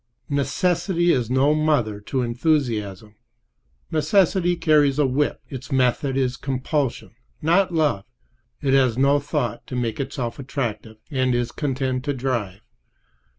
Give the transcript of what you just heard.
Necessity is no mother to enthusiasm. Necessity carries a whip. Its method is compulsion, not love. It has no thought to make itself attractive; it is content to drive.